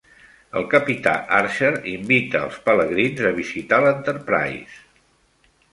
El capità Archer invita els pelegrins a visitar l'Enterprise.